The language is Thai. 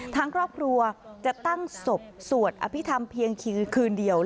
ทางครอบครัวจะตั้งศพสวดอภิษฐรรมเพียงคืนเดียว